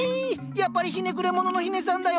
やっぱりひねくれ者の日根さんだよ。